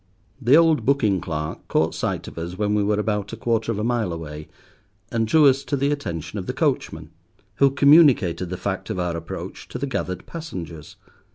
The old booking clerk caught sight of us when we were about a quarter of a mile away, and drew to us the attention of the coachman, who communicated the fact of our approach to the gathered passengers.